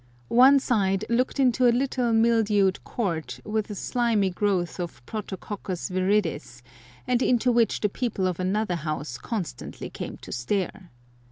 One side looked into a little mildewed court, with a slimy growth of Protococcus viridis, and into which the people of another house constantly came to stare.